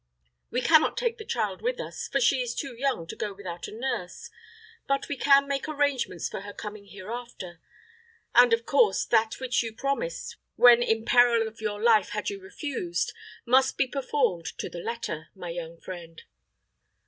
We can not take the child with us, for she is too young to go without a nurse; but we can make arrangements for her coming hereafter; and of course that which you promised when in peril of your life had you refused, must be performed to the letter, my young friend."